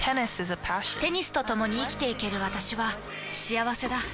テニスとともに生きていける私は幸せだ。